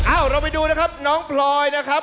เราไปดูนะครับน้องพลอยนะครับ